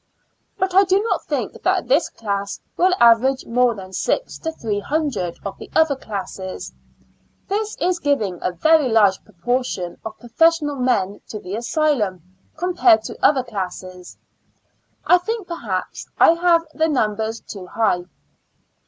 But I do not think that this class will averas^e more than six to three hun dred of the other classes; this is giving a very large proportion of professional men to the asylum compared to other classes. I think, perhaps, I have the numbers too high.